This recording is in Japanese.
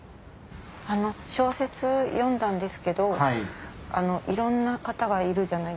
小説読んだんですけどいろんな方がいるじゃないですか。